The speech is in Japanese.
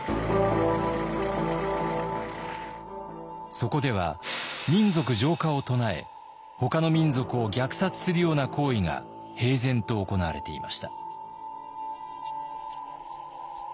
そこでは「民族浄化」を唱えほかの民族を虐殺するような行為が平然と行われていました。